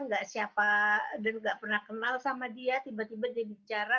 gak pernah kenal sama dia tiba tiba dia bicara